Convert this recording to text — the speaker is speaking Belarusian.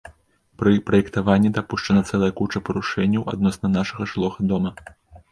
Пры праектаванні дапушчана цэлая куча парушэнняў адносна нашага жылога дома!